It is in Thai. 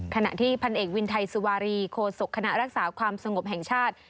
ขณะที่พันเอกวินไทยสุวารีโคศกคณะรักษาความสงบแห่งชาติ